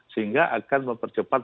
sehingga akan mempercepat